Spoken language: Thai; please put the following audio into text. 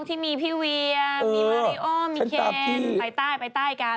อ๋อที่มีพี่เวียนมีวาเรอมมีเคนไปใต้กันเที่ยวทะเลใช่ไหม